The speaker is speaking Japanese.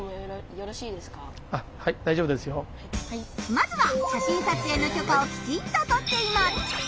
まずは写真撮影の許可をきちんと取っています。